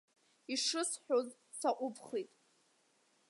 Ишысҳәоз саҟәыбхит.